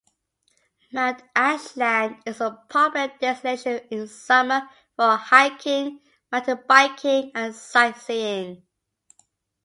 Mount Ashland is a popular destination in summer for hiking, mountain biking, and sightseeing.